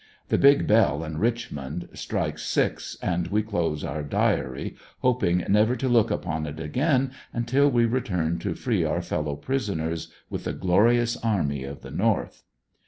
The big bell in Kichmond strikes six, and we close our diary, hoping never to look upon it again until we return to free our fellow prisoners, with the glo rious army of the North.